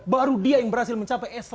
baru dia yang berhasil mencapai eselon satu